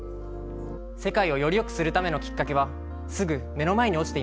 世界をよりよくするためのきっかけはすぐ目の前に落ちています。